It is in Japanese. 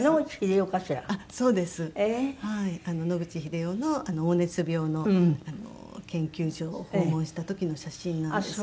野口英世の黄熱病の研究所を訪問した時の写真なんですけど。